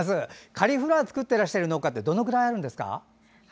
カリフラワーを作ってらっしゃる農家ってどのぐらいあるんですか？